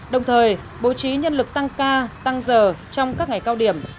đồng thời bố trí nhân lực tăng ca tăng giờ trong các ngày cao điểm